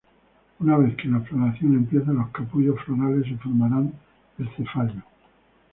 Una vez que la floración empieza los capullos florales se formarán del cefalio.